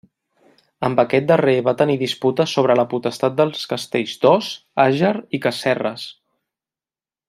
Amb aquest darrer va tenir disputes sobre la potestat dels castells d'Os, Àger i Casserres.